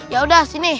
ya udah sini